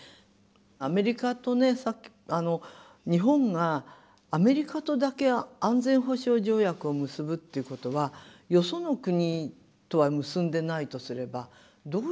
アメリカとね日本がアメリカとだけ安全保障条約を結ぶっていうことはよその国とは結んでないとすればどういうことになるの？